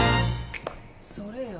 それ！